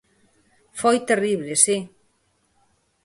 Foi terrible, si.